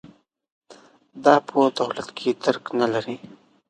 دا په دولت کې درک نه لري.